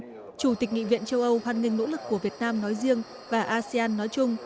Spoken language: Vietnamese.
trong khi đó chủ tịch nghị viện châu âu hoan nghênh nỗ lực của việt nam nói riêng và asean nói chung